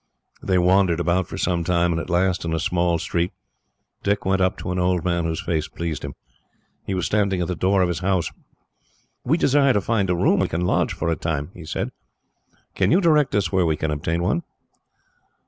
They wandered about for some time, and at last, in a small street, Dick went up to an old man whose face pleased him. He was standing at the door of his house. "We desire to find a room where we can lodge for a time," he said. "Can you direct us where we can obtain one?"